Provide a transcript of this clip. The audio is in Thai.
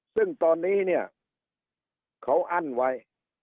ซึ่งตอนนี้เนี่ยเขาอั้นไว้